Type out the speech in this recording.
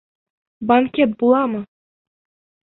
Банкет буламы?